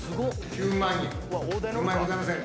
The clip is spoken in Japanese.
９万円ございませんか？